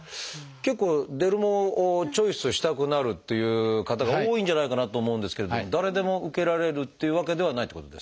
結構デルモをチョイスしたくなるっていう方が多いんじゃないかなと思うんですけれども誰でも受けられるっていうわけではないってことですか？